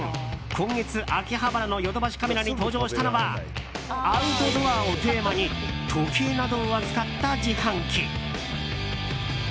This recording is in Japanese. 今月、秋葉原のヨドバシカメラに登場したのはアウトドアをテーマに時計などを扱った自販機。